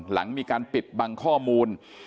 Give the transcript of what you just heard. หลังมีการปิดบังข้อมูล